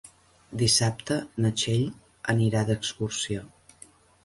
Dissabte na Txell anirà d'excursió.